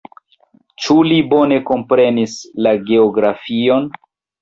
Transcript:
Ĉu li bone komprenis la geografion?